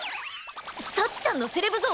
幸ちゃんのセレブ像